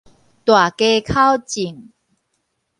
大家口眾